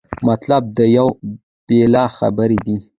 مطلب دا یوه بېله خبره ده.